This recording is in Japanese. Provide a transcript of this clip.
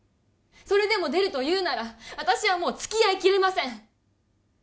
それでも出るというなら私はもう付き合いきれません